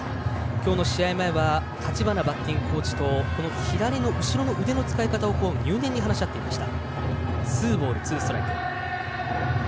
きょうの試合の前は立花バッティングコーチと左の後ろの腕の使い方を入念に話し合っていました。